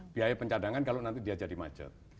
biaya pencadangan kalau nanti dia jadi macet